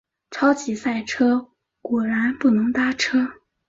超级塞车，果然不能搭车